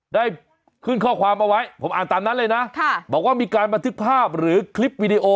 ได้ขึ้นข้อความเอาไว้ผมอ่านตามนั้นเลยนะบอกว่ามีการบันทึกภาพหรือคลิปวิดีโอ